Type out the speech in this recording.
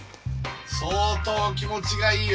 相当気持ちがいいよ。